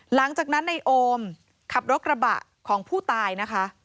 หลังจากนั้นในโอมขับรถกระบะของผู้ตายนะคะ